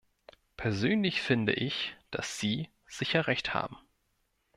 Persönlich finde ich, dass Sie sicher recht haben.